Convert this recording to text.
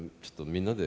みんなで。